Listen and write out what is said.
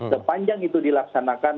sepanjang itu dilaksanakan